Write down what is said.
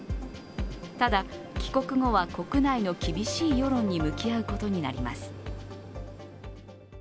ただ帰国後は国内の厳しい世論に向き合うことになります。